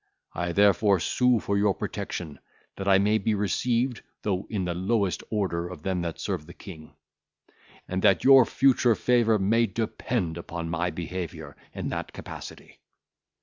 I therefore sue for your protection, that I may be received, though in the lowest order of them that serve the King; and that your future favour may depend upon my behaviour in that capacity.